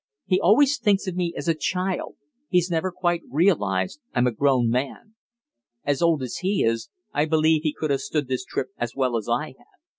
He always thinks of me as a child; he's never quite realised I'm a grown man. As old as he is, I believe he could have stood this trip as well as I have.